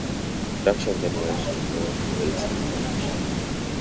Production then went to North Wales in March.